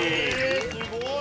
すごい。